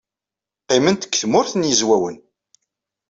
Qqiment deg Tmurt n Yizwawen.